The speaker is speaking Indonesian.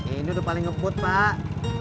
ini udah paling ngeput pak